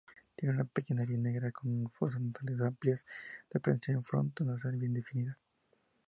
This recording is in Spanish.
Tiene una pequeña nariz negra, con fosas nasales amplias, y depresión fronto-nasal bien definida.